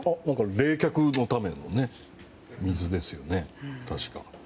冷却のための水ですよね、確か。